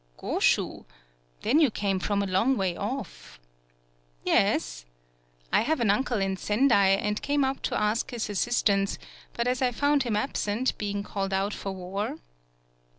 '' Goshu ? Then you came from a long way off!" "Yes. I have an uncle in Sendai, and came up to ask his assistance, but as I found him absent, being called out for war